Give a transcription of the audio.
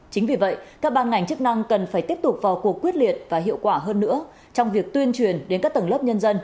chính vì vậy các ban ngành chức năng cần phải tiếp tục vào cuộc quyết liệt và hiệu quả hơn nữa trong việc tuyên truyền đến các tầng lớp nhân dân